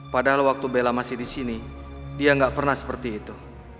padahal waktu bella masih di sini dia nggak pernah seperti itu